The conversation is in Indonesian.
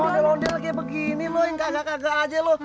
mas ondel ondel kayak begini lo yang kagak kagak aja lo